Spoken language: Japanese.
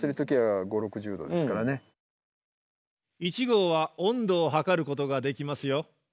１号は温度を測ることができますよ。